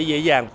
để dễ dàng